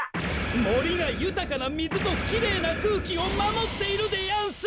もりがゆたかなみずときれいなくうきをまもっているでやんす！